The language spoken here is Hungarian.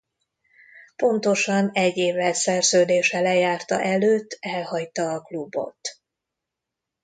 Pontosan egy évvel szerződése lejárta előtt elhagyta a klubot.